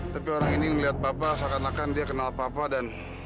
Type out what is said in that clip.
tapi orang ini melihat papa seakan akan dia kenal papa dan